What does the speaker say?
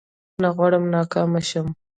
نه غواړم ناکام شم